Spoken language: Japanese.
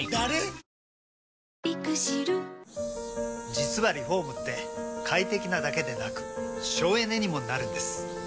実はリフォームって快適なだけでなく省エネにもなるんです。